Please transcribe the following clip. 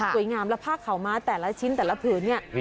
งามแล้วผ้าขาวม้าแต่ละชิ้นแต่ละผืนเนี่ย